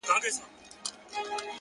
هغه چي ځان زما او ما د ځان بولي عالمه ـ